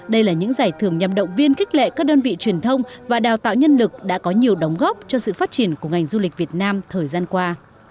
đây là những giải thưởng nhằm động viên khích lệ các đơn vị truyền thông và đào tạo nhân lực đã có nhiều đóng góp cho sự phát triển của ngành du lịch việt nam thời gian qua